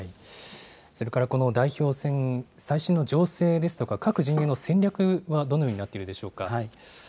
それからこの代表選、最新の情勢ですとか、各陣営の戦略はどのようになっているでしょうか。